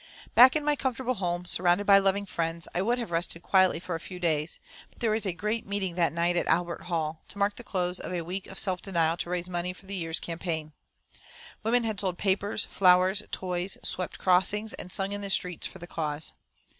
Back in my comfortable home, surrounded by loving friends, I would have rested quietly for a few days, but there was a great meeting that night at Albert Hall, to mark the close of a week of self denial to raise money for the year's campaign. Women had sold papers, flowers, toys, swept crossings, and sung in the streets for the cause.